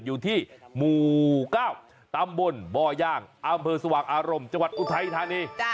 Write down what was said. อยู่ที่หมู่๙ตำบลบ่อย่างอำเภอสว่างอารมณ์จังหวัดอุทัยธานี